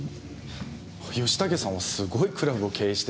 吉武さんはすごいクラブを経営してるんですね。